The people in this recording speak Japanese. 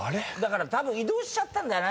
たぶん移動しちゃったんだよね。